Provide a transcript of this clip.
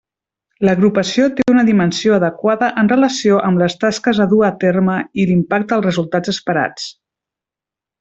L'agrupació té una dimensió adequada en relació amb les tasques a dur a terme i l'impacte dels resultats esperats.